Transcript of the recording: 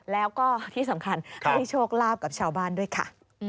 แล้วก็ที่สำคัญให้โชคลาภกับชาวบ้านด้วยค่ะ